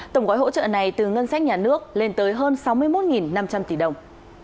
tổng gói hỗ trợ này từ ngân sách nhà nước lên tới hơn sáu mươi một năm trăm linh tỷ đồng